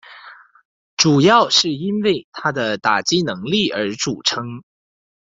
主要是因为他的打击能力而着称。